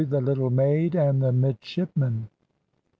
THE LITTLE MAID, AND THE MIDSHIPMAN.